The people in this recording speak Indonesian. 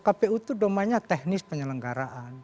kpu itu domainnya teknis penyelenggaraan